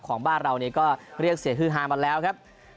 ของบ้านเราก็เรียกเสียงฮือฮามาแล้วครับ